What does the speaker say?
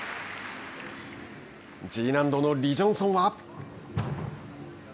Ｇ難度のリ・ジョンソンは。